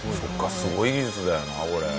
すごい技術だよなこれ。